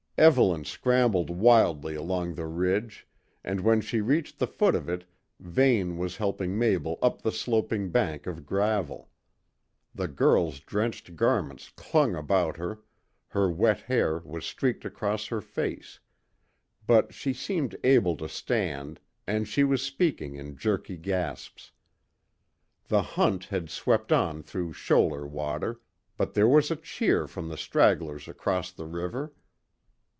Evelyn scrambled wildly along the ridge, and when she reached the foot of it Vane was helping Mabel up the sloping bank of gravel. The girl's drenched garments clung about her, her wet hair was streaked across her face; but she seemed able to stand, and she was speaking in jerky gasps. The hunt had swept on through shoaler water, but there was a cheer from the stragglers across the river.